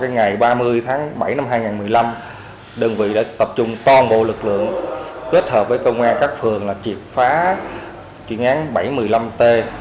ngày ba mươi tháng bảy năm hai nghìn một mươi năm đơn vị đã tập trung toàn bộ lực lượng kết hợp với công an các phường là triệt phá chuyển án bảy trăm một mươi năm t